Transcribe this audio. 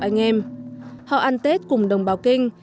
anh em họ ăn tết cùng đồng bào kinh